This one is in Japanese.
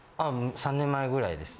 ３年前ぐらいです。